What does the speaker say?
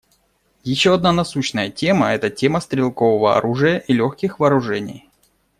Еще одна насущная тема — это тема стрелкового оружия и легких вооружений.